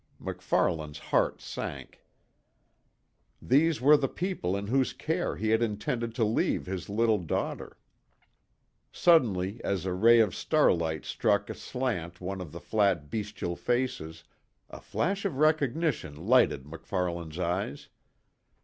MacFarlane's heart sank. These were the people in whose care he had intended to leave his little daughter! Suddenly, as a ray of starlight struck aslant one of the flat bestial faces, a flash of recognition lighted MacFarlane's eyes.